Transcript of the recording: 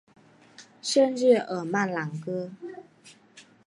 圣日尔曼朗戈。